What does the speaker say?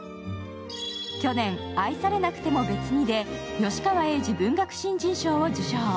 去年、「愛されなくても別に」で吉川英治文学新人賞を受賞。